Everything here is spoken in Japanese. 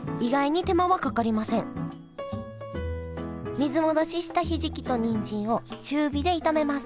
水戻ししたひじきとにんじんを中火で炒めます